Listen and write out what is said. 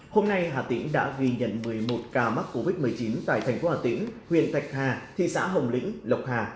hôm nay hà tĩnh đã ghi nhận một mươi một ca mắc covid một mươi chín tại thành phố hà tĩnh huyện thạch hà thị xã hồng lĩnh lộc hà